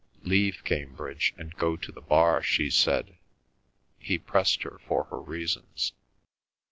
"Leave Cambridge and go to the Bar," she said. He pressed her for her reasons.